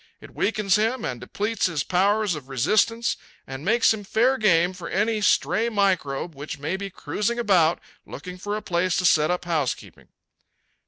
It weakens him and depletes his powers of resistance and makes him fair game for any stray microbe which may be cruising about looking for a place to set up housekeeping."